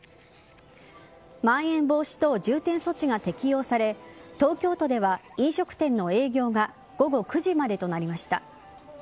まん延防止等重点措置が適用され東京都では飲食店の営業が午後９時までとなりました。